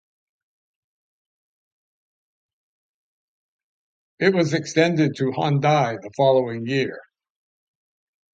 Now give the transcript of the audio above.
It was extended to Hendaye the following year.